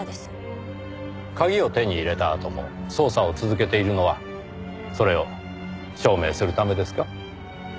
鍵を手に入れたあとも捜査を続けているのはそれを証明するためですか？